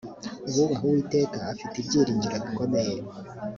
uwubaha uwiteka afite ibyiringiro bikomeye